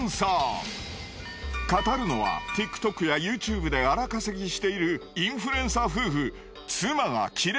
語るのはＴｉｋＴｏｋやＹｏｕＴｕｂｅで荒稼ぎしているインフルエンサー夫婦。